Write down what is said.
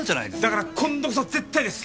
だから今度こそ絶対です！